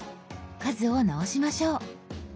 数を直しましょう。